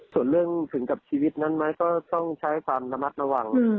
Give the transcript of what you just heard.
ส่วนเรื่องถึงกับชีวิตนั้นไหมก็ต้องใช้ความระมัดระวัง